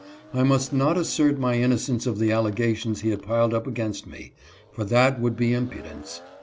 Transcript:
I must not assert my innocence of the allegations he had piled up against me, for that would be impudence.